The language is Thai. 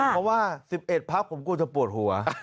เพราะว่า๑๑พักผมกลัวจะปวดหัว